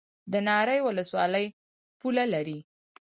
د ناری ولسوالۍ پوله لري